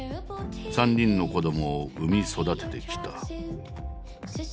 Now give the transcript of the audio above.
３人の子どもを産み育ててきた。